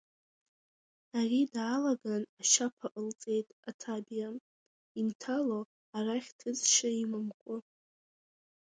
Ари даалаган ашьаԥа ҟалҵеит аҭабиа, инҭало арахь ҭыҵшьа имамкәа.